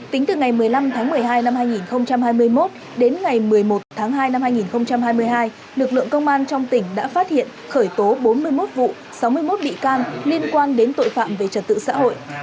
tính từ ngày một mươi năm tháng một mươi hai năm hai nghìn hai mươi một đến ngày một mươi một tháng hai năm hai nghìn hai mươi hai lực lượng công an trong tỉnh đã phát hiện khởi tố bốn mươi một vụ sáu mươi một bị can liên quan đến tội phạm về trật tự xã hội